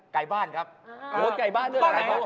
ไก่บ้านครับรสไก่บ้านด้วยนะครับ